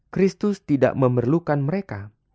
kristus tidak memerlukan mereka